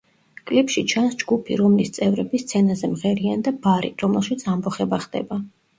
კლიპში ჩანს ჯგუფი, რომლის წევრები სცენაზე მღერიან და ბარი, რომელშიც ამბოხება ხდება.